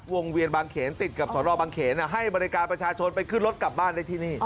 เวียนบางเขนติดกับสนบางเขนให้บริการประชาชนไปขึ้นรถกลับบ้านได้ที่นี่